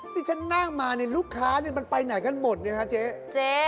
ที่ฉันนั่งมาเนี่ยลูกค้ามันไปไหนกันหมดเนี่ยฮะเจ๊เจ๊